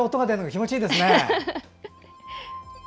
気持ちいいですね。